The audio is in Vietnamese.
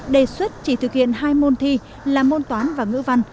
đề xuất chỉ thực hiện hai môn thi là môn toán và ngữ văn